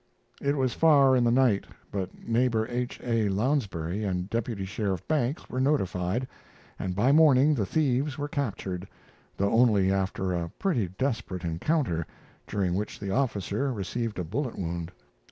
It was far in the night; but neighbor H. A. Lounsbury and Deputy Sheriff Banks were notified, and by morning the thieves were captured, though only after a pretty desperate encounter, during which the officer received a bullet wound.